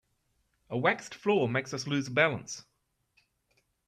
A waxed floor makes us lose balance.